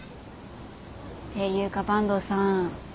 っていうか坂東さん